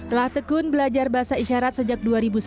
setelah tekun belajar bahasa isyarat sejak dua ribu sebelas